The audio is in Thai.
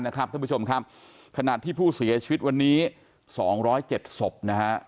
ท่านผู้ชมครับขณะที่ผู้เสียชีวิตวันนี้๒๐๗ศพนะฮะ